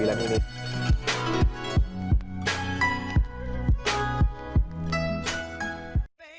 bagaimana cara membuatnya